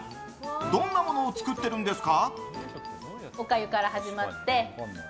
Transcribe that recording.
どんなものを作っているんですか？